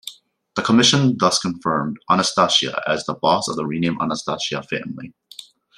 The Commission thus confirmed Anastasia as the boss of the renamed Anastasia family.